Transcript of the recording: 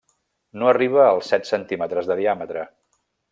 No arriba als set centímetres de diàmetre.